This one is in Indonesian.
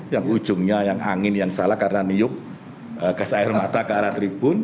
yang ujungnya yang angin yang salah karena niub ke sayur mata ke arah tribun